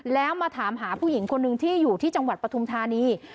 แล้วมาถามหาผู้หญิงคนหนึ่งที่อยู่ที่จังหวัดปฐุมธานี